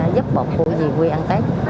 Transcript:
giúp bọn cô đi quê ăn tết